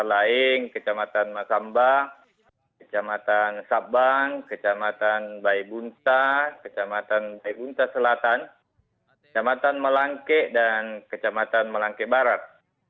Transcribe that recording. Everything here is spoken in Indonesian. lain kecamatan masamba kecamatan sabang kecamatan baibunta kecamatan baibunta selatan kecamatan melangke dan kecamatan melangke barat